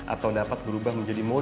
atau dapat berubah menjadi moder